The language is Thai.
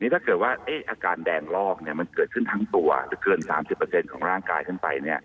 ถ้าเกิดว่าอาการแดงลอกมันเกิดขึ้นทั้งตัวหรือเกิน๓๐ของร่างกายขึ้นไป